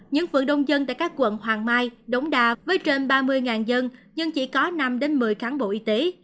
những vận đông dân tại các quận hoàng mai đống đà với trên ba mươi dân nhưng chỉ có năm một mươi kháng bộ y tế